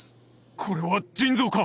これは腎臓か？